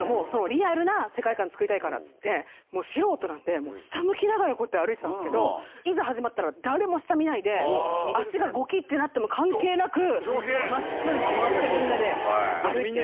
リアルの世界観、作りたいからっていって、素人なんで、下向きながら歩いてたんですけど、いざ始まったら、誰も下見ないで、足がごきってなっても、関係なくまっすぐこうやってみんなで歩いて。